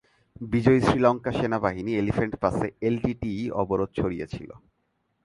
বিজয়ী শ্রীলঙ্কা সেনাবাহিনী এলিফ্যান্ট পাসে এলটিটিই অবরোধ সরিয়েছিলো।